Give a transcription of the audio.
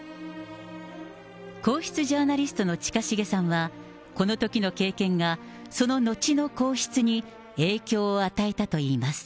皇室ジャーナリストの近重さんは、このときの経験が、その後の皇室に影響を与えたといいます。